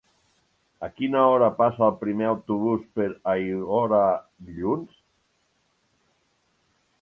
A quina hora passa el primer autobús per Aiora dilluns?